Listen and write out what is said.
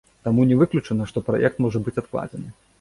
Таму не выключана, што праект можа быць адкладзены.